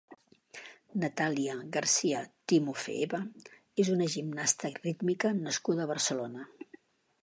Natalia García Timofeeva és una gimnasta rítmica nascuda a Barcelona.